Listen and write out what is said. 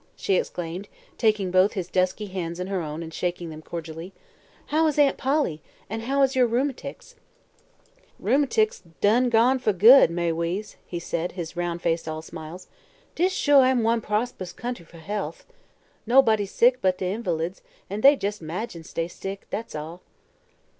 she exclaimed, taking both his dusky hands in her own and shaking them cordially. "How is Aunt Polly, and how is your 'rheum'tics'?" "Rheum'tics done gone foh good, Ma'y Weeze," he said, his round face all smiles. "Dis shuah am one prosterous country foh health. Nobuddy sick but de invahlids, an' dey jus' 'magines dey's sick, dat's all."